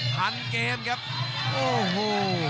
พันเกมครับโอ้โห